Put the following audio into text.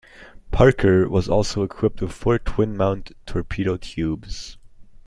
"Parker" was also equipped with four twin mount torpedo tubes.